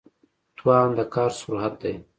توان د کار سرعت دی.